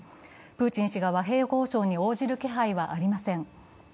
プーチン氏が和平交渉に応じる気配はありません。